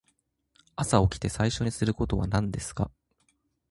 朝起きて最初にすることは何ですか。